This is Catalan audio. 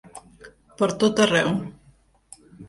Per tot arreu.